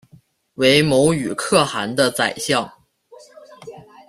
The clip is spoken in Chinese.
为牟羽可汗的宰相。